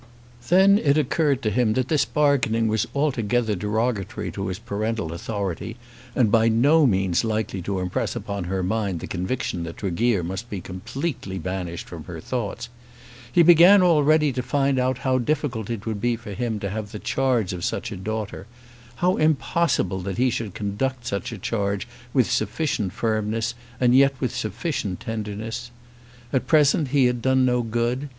Then it occurred to him that this bargaining was altogether derogatory to his parental authority, and by no means likely to impress upon her mind the conviction that Tregear must be completely banished from her thoughts. He began already to find how difficult it would be for him to have the charge of such a daughter, how impossible that he should conduct such a charge with sufficient firmness, and yet with sufficient tenderness! At present he had done no good.